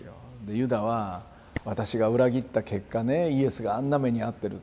ユダは私が裏切った結果ねイエスがあんな目に遭ってると。